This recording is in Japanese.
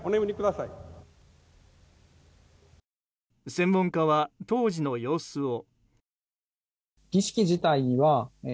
専門家は当時の様子を。